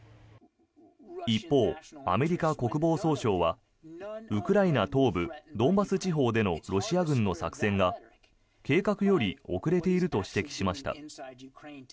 一方、アメリカ国防総省はウクライナ東部ドンバス地方でのロシア軍の作戦が計画より遅れていると指摘しました。